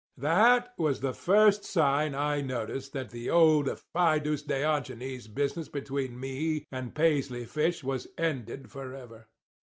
"That was the first sign I noticed that the old fidus Diogenes business between me and Paisley Fish was ended forever.